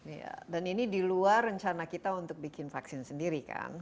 iya dan ini di luar rencana kita untuk bikin vaksin sendiri kan